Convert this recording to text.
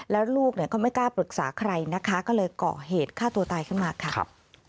แล้วลูกเนี่ยก็ไม่กล้าปรึกษาใครนะคะก็เลยก่อเหตุฆ่าตัวตายขึ้นมาค่ะ